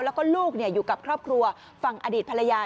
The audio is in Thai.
แล้วก็ลูกอยู่กับครอบครัวฝั่งอดีตภรรยา